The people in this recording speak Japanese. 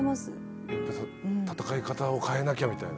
戦い方を変えなきゃみたいな？